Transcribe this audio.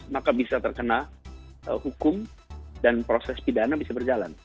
maka bisa terkena hukum dan proses pidana bisa berjalan